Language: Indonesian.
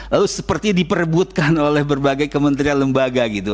lalu seperti diperbutkan oleh berbagai kementerian lembaga gitu